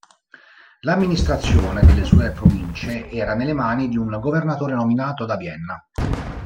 L'amministrazione delle sue province era nelle mani di un governatore nominato da Vienna.